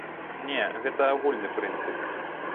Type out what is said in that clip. Не, гэта агульны прынцып.